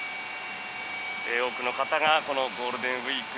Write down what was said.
多くの方がゴールデンウィーク